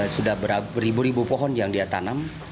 sudah beribu ribu pohon yang dia tanam